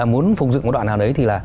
muốn phục dựng một đoạn nào đấy thì là